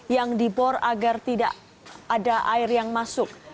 yang dibor agar tidak ada air yang masuk